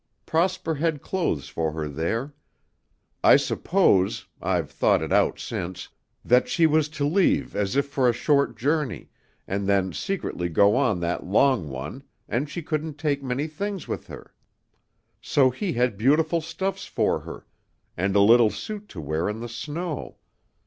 Prosper had clothes for her there. I suppose I've thought it out since that she was to leave as if for a short journey, and then secretly go on that long one, and she couldn't take many things with her. So he had beautiful stuffs for her and a little suit to wear in the snow.